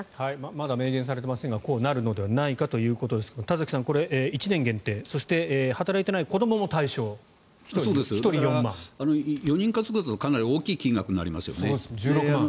まだ明言されていませんがこうなるのではないかということですが田崎さんこれは１年限定そして働いていない子どもも対象４人家族だとかなり大きい金額になりますね。